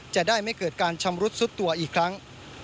จะได้ไม่เกิดการชำรุดซุดตัวอีกครั้ง